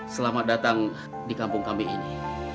selamat datang di kampung kami ini